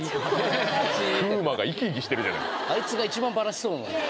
クウマが生き生きしてるじゃない！